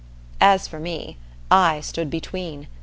As for me, I stood between.